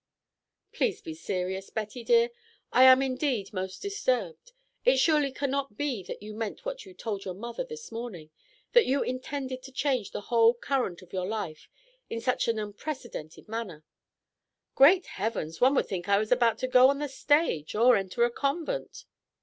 "Please be serious, Betty dear. I am indeed most disturbed. It surely cannot be that you meant what you told your mother this morning, that you intended to change the whole current of your life in such an unprecedented manner." "Great heavens! One would think I was about to go on the stage or enter a convent."